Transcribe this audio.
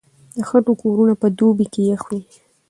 د خټو کورونه په دوبي کې يخ وي.